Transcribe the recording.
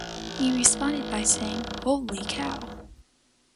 He responded by saying Holy cow!